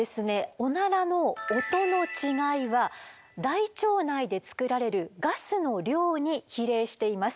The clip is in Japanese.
オナラの音の違いは大腸内で作られるガスの量に比例しています。